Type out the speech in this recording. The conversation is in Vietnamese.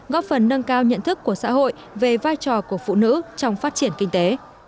góp phần nâng cao nhận thức của xã hội về vai trò của phụ nữ trong phát triển kinh tế